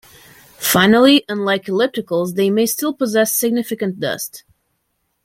Finally, unlike ellipticals, they may still possess significant dust.